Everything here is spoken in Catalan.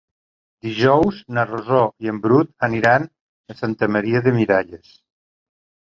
Dijous na Rosó i en Bru aniran a Santa Maria de Miralles.